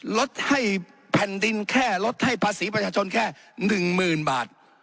ลดให้แผ่นดินแค่ลดให้ภาษีประชาชนแค่๑๐๐๐บาท